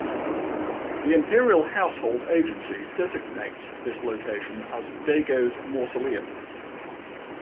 The Imperial Household Agency designates this location as Daigo's mausoleum.